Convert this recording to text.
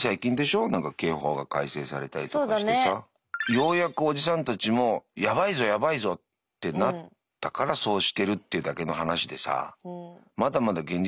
ようやくおじさんたちも「やばいぞやばいぞ」ってなったからそうしてるっていうだけの話でさまだまだ現実は追いついてないかもな。